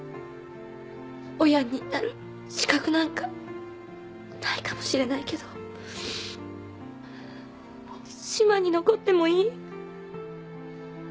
親になる資格なんかないかもしれないけど島に残ってもいい？